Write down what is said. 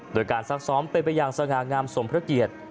โดยการซักซ้อมเป็นไปอย่างสง่างามสมพระเกียรติ